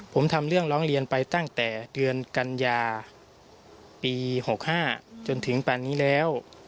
ผมทำเรื่องร้องเรียนไปตั้งแต่เดือนกันยาปี๖๕จนถึงปานนี้แล้ว